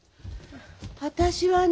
私はね